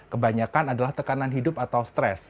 kebanyakan adalah tekanan hidup atau stres